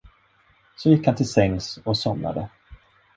Så gick han till sängs och somnade.